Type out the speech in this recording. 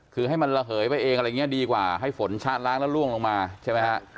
คือให้มันระเหยไปเองอะไรอย่างนี้ดีกว่าให้ฝนชะล้างแล้วล่วงลงมาใช่ไหมฮะ